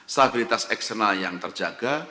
stabilitas eksternal yang terjaga